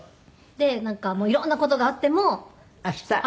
でなんか色んな事があっても。